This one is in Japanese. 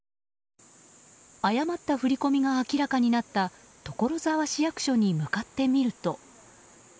誤った振り込みが明らかになった所沢市役所に向かってみると。